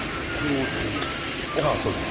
ああそうです。